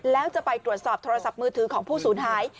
แล้วจะไปตรวจสอบโทรศัพท์มือถือของผู้สูญหาย